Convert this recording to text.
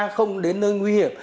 không đến nơi nguy hiểm